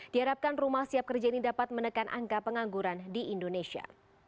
diharapkan rumah siap kerja ini dapat menekan angka pengangguran di indonesia